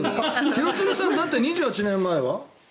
廣津留さんだって２８年前は？